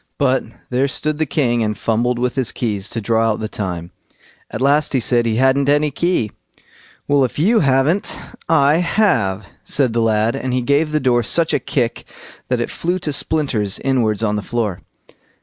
But there stood the king and fumbled with his keys, to draw out the time. At last he said he hadn't any key. "Well, if you haven't, I have", said the lad, as he gave the door such a kick that it flew to splinters inwards on the floor.